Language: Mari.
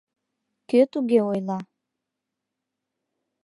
Кӧ туге ойла?